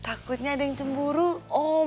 takutnya ada yang cemburu oh